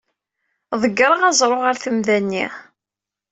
Ḍeggreɣ aẓru ɣer temda-nni.